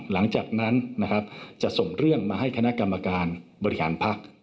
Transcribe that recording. หลังจากนั้นจะส่งเรื่องมาให้คณะกรรมการบริหารพัก